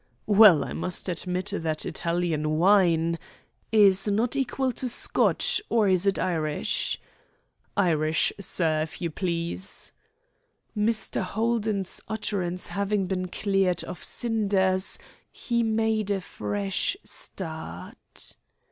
"Well, I must admit that Italian wine " "Is not equal to Scotch; or is it Irish?" "Irish, sir, if you please." Mr. Holden's utterance having been cleared of cinders, he made a fresh start.